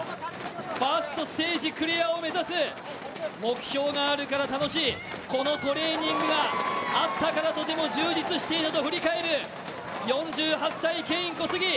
ファーストステージクリアを目指す、目標があるから楽しい、このトレーニングがあったからとても充実していたと振り返る４８歳ケイン・コスギ。